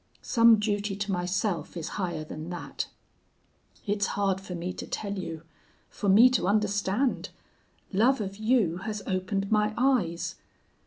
Some duty to myself is higher than that. It's hard for me to tell you for me to understand. Love of you has opened my eyes.